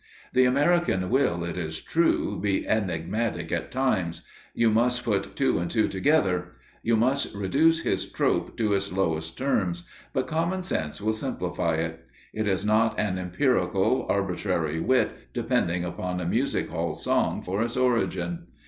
The American will, it is true, be enigmatic at times; you must put two and two together. You must reduce his trope to its lowest terms, but common sense will simplify it. It is not an empirical, arbitrary wit depending upon a music hall song for its origin.